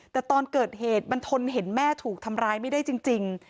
แต่ตอนเกิดเหตุมันทนเห็นแม่ถูกทำร้ายไม่ได้จริง